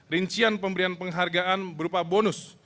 rincian pemberian penghargaan berupa bonus